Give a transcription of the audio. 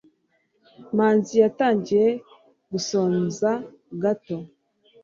manzi yatangiye gusonza gato